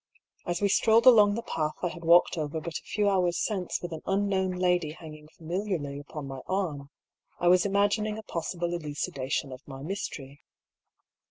As we strolled along the path I had walked over but a few hours since with an unknown lady hanging familiarly upon my arm, I was imagining a possible elucidation of my mystery.